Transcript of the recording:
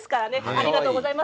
ありがとうございます。